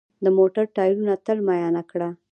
د موټر ټایرونه تل معاینه کړه.